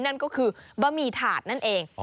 นั่นก็คือบะหมี่ถาดนั่นเอง